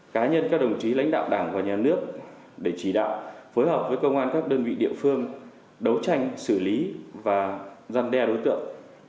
cá nhân các đồng chí lãnh đạo đảng và nhà nước để chỉ đạo phối hợp với công an các đơn vị địa phương đấu tranh xử lý và giăn đe đối tượng